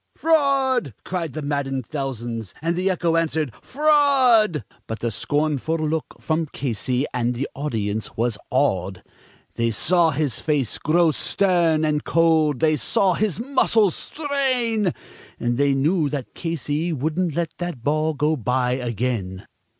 "Fraud!" cried the maddened thousands, and the echo answered, "Fraud!" But the scornful look from Casey, and the audience was awed; They saw his face grow stern and cold, they saw his muscles strain, And they knew that Casey wouldn't let that ball go by again.